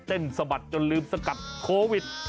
สะบัดจนลืมสกัดโควิด